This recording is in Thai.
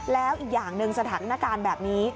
แล้วอีกอย่างหนึ่งสถานการณ์แบบนี้